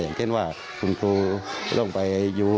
อย่างเช่นว่าคุณครูต้องไปอยู่